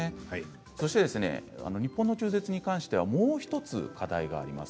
そして日本の中絶に関してはもう１つ課題があります。